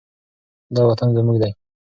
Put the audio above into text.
دا وطن زموږ دی.